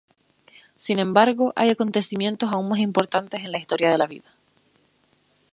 Sin embargo, hay acontecimientos aún más importantes en la historia de la vida.